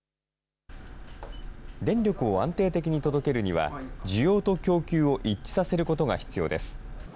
電力を安定的に届けるには、需要と供給を一致させることが必要です。